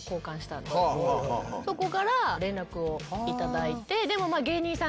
そこから連絡を頂いて。